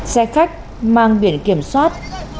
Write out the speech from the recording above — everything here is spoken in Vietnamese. xe khách mang biển kiểm soát